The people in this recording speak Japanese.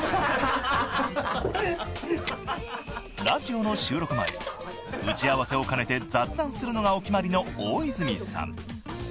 ［ラジオの収録前打ち合わせを兼ねて雑談するのがお決まりの大泉さん］